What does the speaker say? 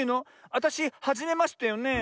あたしはじめましてよねえ。